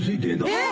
えっ？